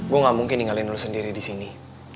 gue gak mungkin tinggalin lo sendiri disini